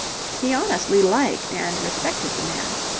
He honestly liked and respected the man.